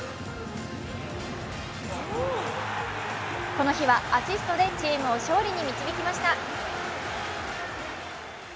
この日はアシストでチームを勝利に導きました